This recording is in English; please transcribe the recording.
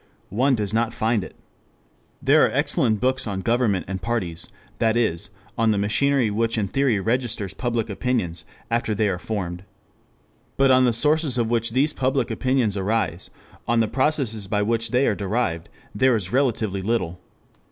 One does not find it. There are excellent books on government and parties, that is, on the machinery which in theory registers public opinions after they are formed. But on the sources from which these public opinions arise, on the processes by which they are derived, there is relatively little.